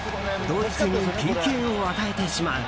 ドイツにＰＫを与えてしまう。